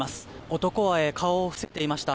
男は顔を伏せていました。